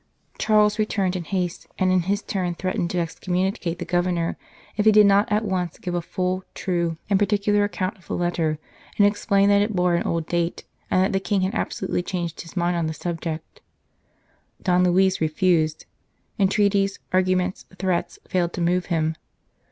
Charles returned in haste, and in his turn threatened to excommunicate the Governor if he did not at once give a full, true, and particular account of the letter, and explain that it bore an old date, and that the King had absolutely changed his mind on the subject. Don Luis refused; entreaties, arguments, threats, failed to move him.